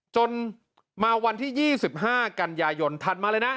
จนมาวันที่๒๕กันยายนถัดมาเลยนะ